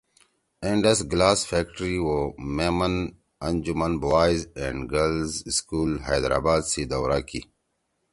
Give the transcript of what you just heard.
انڈس گلاس فیکٹری او میمن انجمن بوائز اینڈ گرلز سکول حیدرآباد سی دورا کی